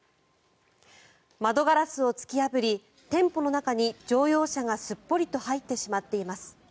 窓ガラスを突き破り、店舗の中に乗用車がすっぽりと入ってしまっています。